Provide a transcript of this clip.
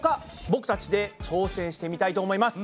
僕たちで挑戦してみたいと思います！